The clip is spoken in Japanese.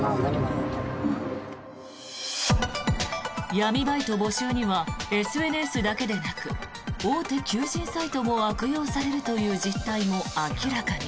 闇バイト募集にはＳＮＳだけでなく大手求人サイトも悪用されるという実態も明らかに。